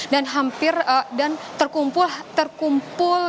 dan hampir dan terkumpul terkumpul